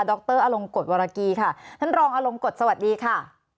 รอลงกฎวรกีค่ะท่านรองอลงกฎสวัสดีค่ะ